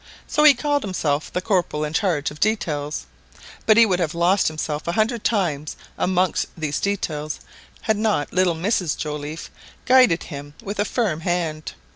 So he called himself the " Corporal in charge of details," but he would have lost himself a hundred times amongst these details, had not little Mrs Joliffe guided him with a firm hand.